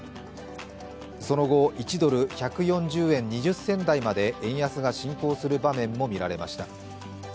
その後、１ドル＝１４０円２０銭台まで円安が進行する場面もみられました。